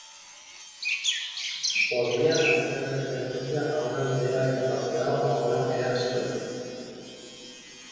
Podía hacer referencia a una medida de capacidad o a una medida de superficie.